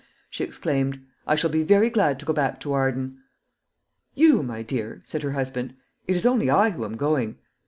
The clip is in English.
she exclaimed. "I shall be very glad to go back to Arden." "You, my dear!" said her husband; "it is only I who am going.